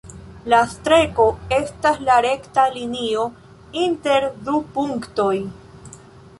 La Streko estas la rekta ligo inter du punktoj.